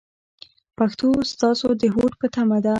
پښتو ستاسو د هوډ په تمه ده.